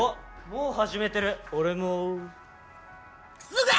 もう始めてる俺もクソが！